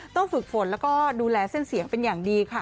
ฝึกฝนแล้วก็ดูแลเส้นเสียงเป็นอย่างดีค่ะ